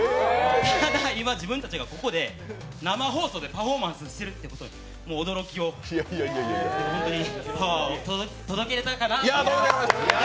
ただ今、自分たちがここで生放送でパフォーマンスしているということに驚きを、本当にパワーを届けれたかなと思います。